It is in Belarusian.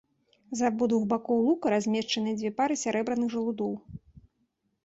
З абодвух бакоў лука размешчаныя дзве пары сярэбраных жалудоў.